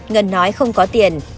ngân nói không có tiền